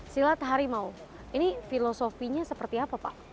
silat harimau ini filosofinya seperti apa pak